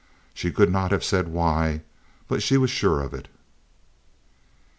She could not have said why but she was sure of it.